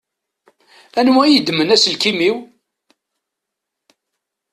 Anwa i yeddmen aselkim-iw?